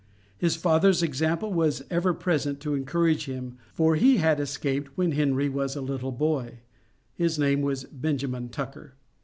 His father's example was ever present to encourage him, for he had escaped when Henry was a little boy; (his name was Benjamin Tucker).